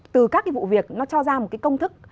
từ các cái vụ việc nó cho ra một cái công thức